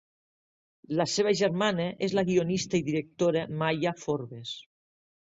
La seva germana és la guionista i directora Maya Forbes.